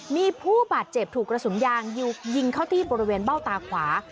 มีผู้บาดเจ็บถูกกระสุนยางยิงเข้าที่บริเวณเบ้าตาขวา